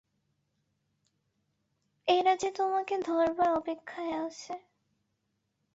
এরা যে তোমাকে ধরবার অপেক্ষায় আছে।